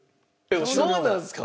そうなんですか！？